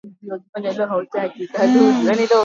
jinsi ya kuchakata viazi lishe